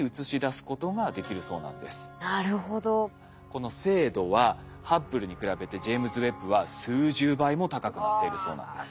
この精度はハッブルに比べてジェイムズ・ウェッブは数十倍も高くなっているそうなんです。